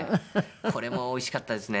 これもおいしかったですね。